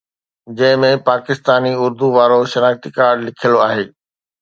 جنهن ۾ پاڪستاني اردوءَ وارو شناختي ڪارڊ لکيل آهي